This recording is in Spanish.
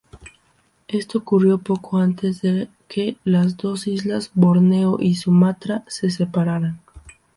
Esto ocurrió poco antes de que las dos islas, Borneo y Sumatra, se separaran.